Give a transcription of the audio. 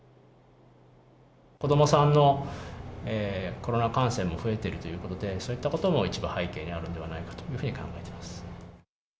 子どもさんのコロナ感染も増えてるということで、そういったことも一部背景にあるのではないかと考えています。